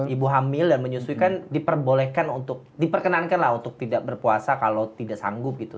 ibu hamil dan menyusui kan diperbolehkan untuk diperkenankan lah untuk tidak berpuasa kalau tidak sanggup gitu